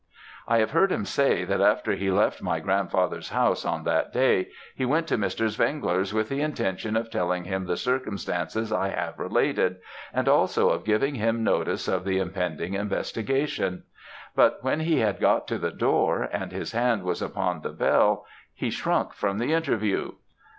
"I have heard him say, that after he left my grandfather's house on that day, he went to Mr. Zwengler's with the intention of telling him the circumstances I have related, and also of giving him notice of the impending investigation; but when he had got to the door, and his hand was upon the bell, he shrunk from the interview.